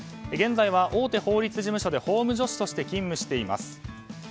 現在は大手法律事務所で法務助手として勤務しています。